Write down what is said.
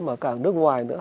mà càng nước ngoài nữa